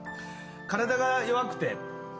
体が弱くて。